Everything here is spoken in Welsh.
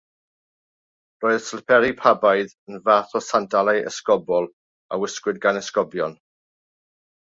Roedd y sliperi pabaidd yn fath o sandalau esgobol a wisgwyd gan esgobion.